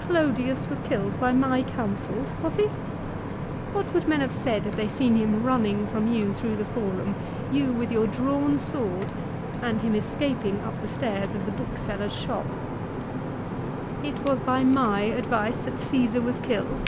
Clodius was killed by my counsels ; was he ? What would men have said had they seen him running from you through the Forum, you with your drawn sword, and him escaping up the stairs of the book seller's shop V 1 " It was by my advice that Caesar was killed